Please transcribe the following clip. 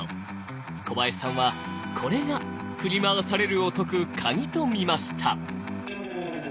小林さんはこれが「振り回される」を解く鍵と見ました。